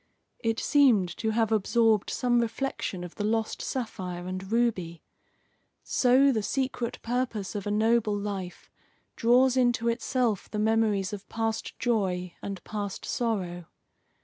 It seemed to have absorbed some reflection of the lost sapphire and ruby. So the secret purpose of a noble life draws into itself the memories of past joy and past sorrow.